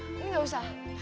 ini nggak usah